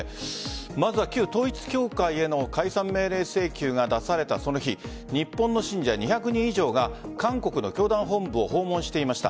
まずは旧統一教会への解散命令請求が出されたその日日本の信者２００人以上が韓国の教団本部を訪問していました。